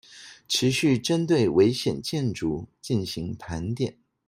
持續針對危險建築進行盤點